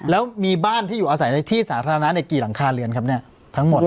แล้วมีบ้านที่อยู่อาศัยในที่สาธารณะกี่หลังคาเรือนครับเนี่ยทั้งหมด